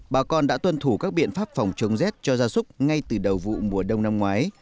bà con đã tuân thủ các biện pháp phòng chống rét cho gia súc ngay từ đầu vụ mùa đông năm ngoái